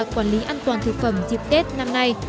quản lý an toàn thực phẩm dịp tết năm nay